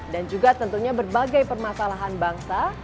dan juga tentunya berbagai permasalahan bangsa